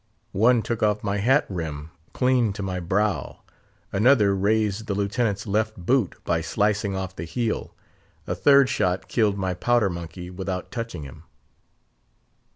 One took off my hat rim clean to my brow; another razed the Lieutenant's left boot, by slicing off the heel; a third shot killed my powder monkey without touching him."